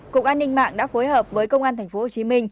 cục an ninh mạng đã phối hợp với công an tp hcm